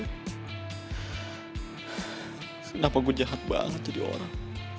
kenapa gue jahat banget jadi orang